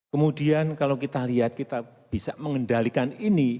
kemudian kalau kita lihat kita bisa mengendalikan ini